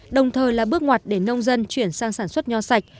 đồng thời là bước ngoặt để nông dân chuyển sang sản xuất nho sạch